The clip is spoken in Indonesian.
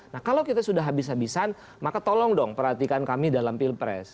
nah kalau kita sudah habis habisan maka tolong dong perhatikan kami dalam pilpres